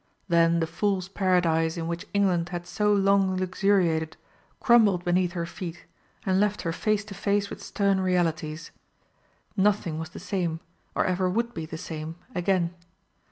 Then the Fools' Paradise in which England had so long luxuriated crumbled beneath her feet, and left her face to face with stern realities. Nothing was the same, or ever would be the same, again.